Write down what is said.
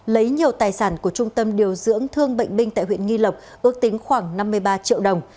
lấy nhiều tài sản của trung tâm điều dưỡng thương bệnh binh tại huyện nghi lộc ước tính khoảng năm mươi ba triệu đồng